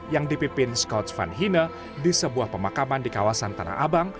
yang dipimpin scott vanhine di sebuah pemakaman di kawasan tanah abang